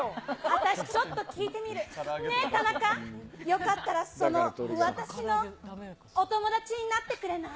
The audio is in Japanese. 私ちょっと聞いてみる、ねぇ、たなか、よかったら、その、私のお友達になってくれない？